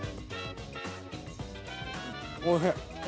おいしい。